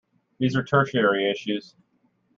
These are tertiary issues.